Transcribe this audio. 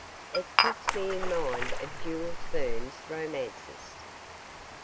'It puts me in mind of Jules Verne's romances.